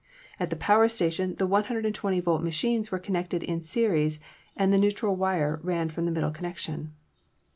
At the power station the 120 volt machines were connected in series and the neutral wire ran from the middle connection.